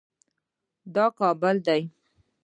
دا کابل دی